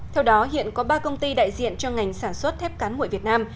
theo đó hiện có ba công ty đại diện cho ngành sản xuất thép cán nguội việt nam